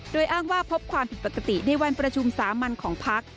โดยอ้างว่าพบความผิดปกติในวันประชุมสามัญของพัก